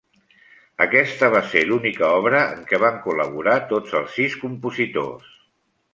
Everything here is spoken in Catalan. Aquest va ser l'única obra en què van col·laborar tots els sis compositors.